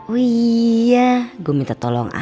uh iya gominta tolong aja